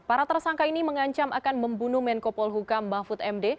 para tersangka ini mengancam akan membunuh menko polhukam mahfud md